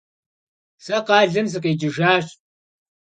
Se khalem sıkueşşıjjaş.